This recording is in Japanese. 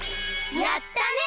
やったね！